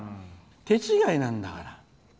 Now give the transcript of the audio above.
手違いなんだから。